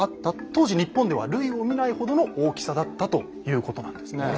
当時日本では類を見ないほどの大きさだったということなんですね。